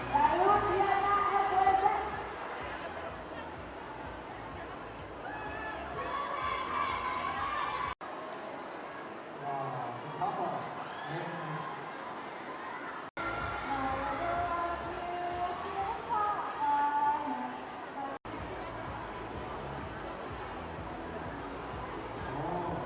ขอบคุณมากสวัสดีครับ